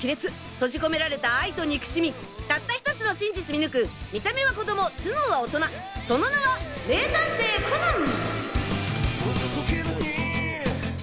閉じ込められた愛と憎しみたった１つの真実見抜く見た目は子供頭脳は大人その名は名探偵コナン！